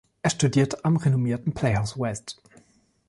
Er studierte am renommierten Playhouse West.